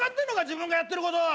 自分がやってることを。